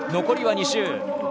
残りは２周。